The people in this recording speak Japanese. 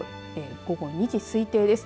午後２時推定です。